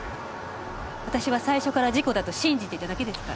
私は最初から事故だと信じていただけですから。